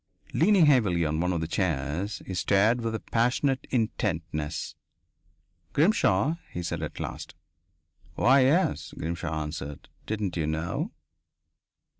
Leaning heavily on one of the chairs, he stared with a passionate intentness. "Grimshaw?" he said at last. "Why, yes," Grimshaw answered. "Didn't you know?"